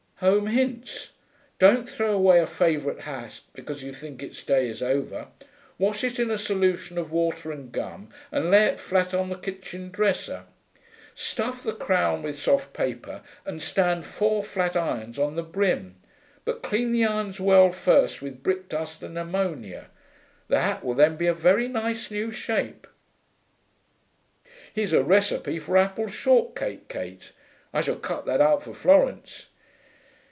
Home Hints: Don't throw away a favourite hat because you think its day is over. Wash it in a solution of water and gum and lay it flat on the kitchen dresser. Stuff the crown with soft paper and stand four flat irons on the brim. But clean the irons well first with brick dust and ammonia. The hat will then be a very nice new shape.... Here's a recipe for apple shortcake, Kate: I shall cut that out for Florence....